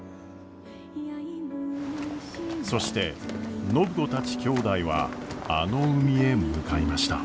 そして暢子たちきょうだいはあの海へ向かいました。